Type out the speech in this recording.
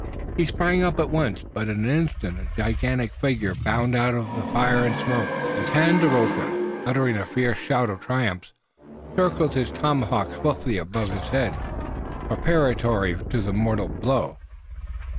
He sprang up at once, but in an instant a gigantic figure bounded out of the fire and smoke, and Tandakora, uttering a fierce shout of triumph, circled his tomahawk swiftly above his head, preparatory to the mortal blow.